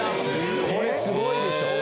これすごいでしょ？